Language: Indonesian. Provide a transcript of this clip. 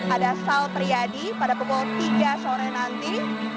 ada sal priadi pada pukul tiga sore nanti